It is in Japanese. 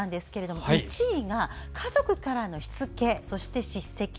１位が家族からのしつけ・叱責。